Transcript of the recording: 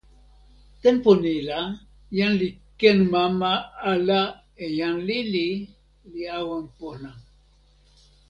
tenpo ni la, jan li ken mama ala e jan lili, li awen pona.